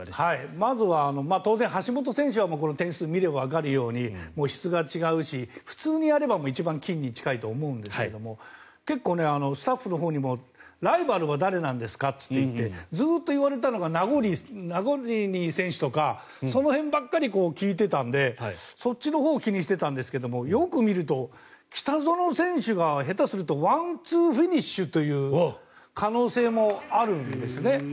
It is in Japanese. まずは当然、橋本選手はこの点数を見ればわかるようにもう質が違うし、普通にやれば一番金に近いと思うんですが結構スタッフのほうにもライバルは誰なんですかと言ってずっと言われたのがナゴルニー選手とかその辺ばかり聞いていたのでそっちのほうを気にしていたんですがよく見ると北園選手が下手するとワンツーフィニッシュという可能性もあるんですね。